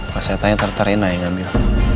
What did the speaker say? hasilnya ternyata rina yang ambil